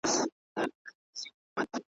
چي هر ځای به کار پیدا سو دی تیار وو ,